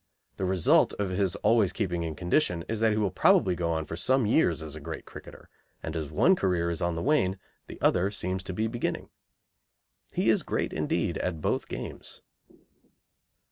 The result of his always keeping in condition is that he will probably go on for some years as a great cricketer, and as one career is on the wane the other seems to be beginning. He is great indeed at both games.